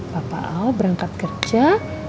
bapak au berangkat kerja